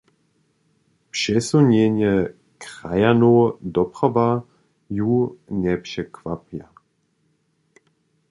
Přesunjenje krajanow doprawa ju njepřekwapja.